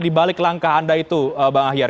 dibalik langkah anda itu bang ahyar